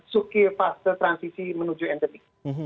sukipas ke transisi menuju endemi